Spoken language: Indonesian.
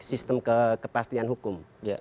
sistem kepastian hukum